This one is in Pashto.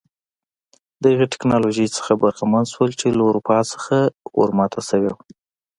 د هغې ټکنالوژۍ څخه برخمن شول چې له اروپا څخه ور ماته شوې وه.